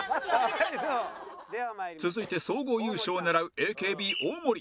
続いて総合優勝を狙う ＡＫＢ 大盛